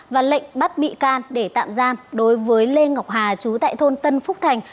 và lệnh bắt bị can để tạm giam đối với lê ngọc hà chú tại thôn tân phúc thành